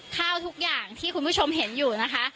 ข้าวทุกอย่างที่คุณผู้ชมเห็นอยู่นะคะ